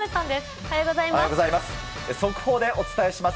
おはようございます。